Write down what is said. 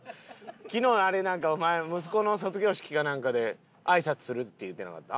昨日お前息子の卒業式かなんかで挨拶するって言ってなかった？